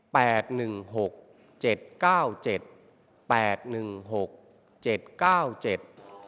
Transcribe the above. หนึ่งหกเจ็ดเก้าเจ็ดแปดหนึ่งหกเจ็ดเก้าเจ็ด